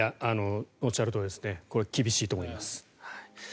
おっしゃるとおり厳しいと思います。